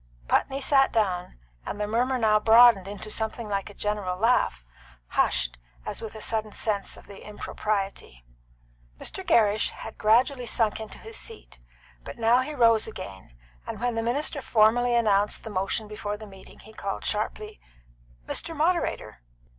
Putney sat down, and the murmur now broadened into something like a general laugh, hushed as with a sudden sense of the impropriety. Mr. Gerrish had gradually sunk into his seat, but now he rose again, and when the minister formally announced the motion before the meeting, he called, sharply, "Mr. Moderator!"